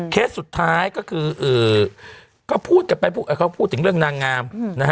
เคสสุดท้ายก็คือเขาพูดถึงเรื่องนางงาม